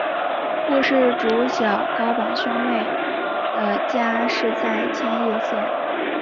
故事主角高坂兄妹的家是在千叶县。